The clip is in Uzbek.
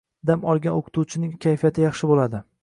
Dam olgan o‘qituvchining kayfiyati yaxshi bo‘ladi